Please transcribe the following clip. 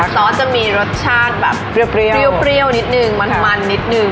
ซอสจะมีรสชาติแบบเปรี้ยวนิดนึงมันนิดนึง